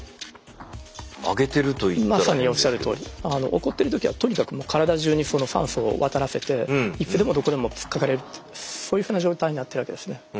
怒ってる時はとにかく体じゅうに酸素を渡らせていつでもどこでもつっかかれるってそういうふうな状態になってるわけですね。